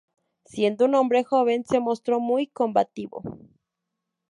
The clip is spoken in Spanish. Siendo un hombre joven, se mostró muy combativo.